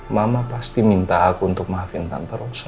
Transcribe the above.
mama pasti minta aku untuk maafin tante rosa